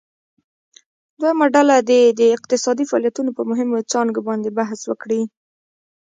دویمه ډله دې د اقتصادي فعالیتونو په مهمو څانګو باندې بحث وکړي.